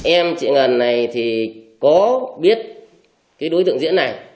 em chị ngân này thì có biết cái đối tượng diễn này